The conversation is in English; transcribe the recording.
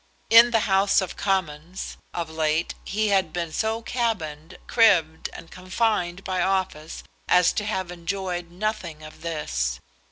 In the House of Commons, of late he had been so cabined, cribbed, and confined by office as to have enjoyed nothing of this.